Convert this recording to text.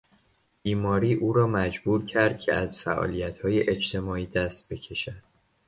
بیماری او را مجبور کرد که از فعالیتهای اجتماعی دست بکشد.